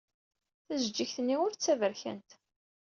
Tajejjigt-nni ur d taberkant.